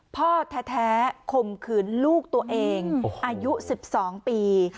พ่อแท้ข่มขืนลูกตัวเองอายุ๑๒ปี